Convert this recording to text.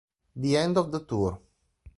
The End of the Tour